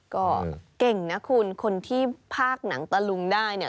ก็เก่งนะคุณคนที่ภาคหนังตะลุงได้เนี่ย